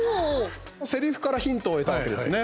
セリフからヒントを得たわけですね。